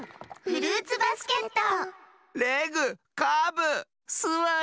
「フルーツバスケット」